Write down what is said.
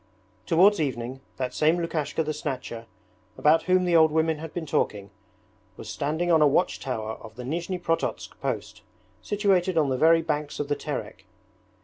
Towards evening, that same Lukashka the Snatcher, about whom the old women had been talking, was standing on a watch tower of the Nizhni Prototsk post situated on the very banks of the Terek.